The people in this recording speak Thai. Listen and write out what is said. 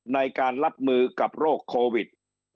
ในการรับมือกับโรคโควิด